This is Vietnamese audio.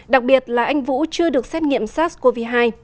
đặc biệt là anh vũ chưa được xét nghiệm sars cov hai